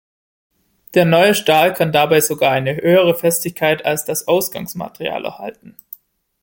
Der neue Stahl kann dabei sogar eine höhere Festigkeit als das Ausgangsmaterial erhalten.